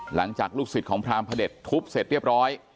หลังจากลูกศิษย์ของพรามพระเด็จทุบเสร็จเรียบร้อย